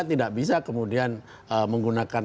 tidak bisa kemudian menggunakan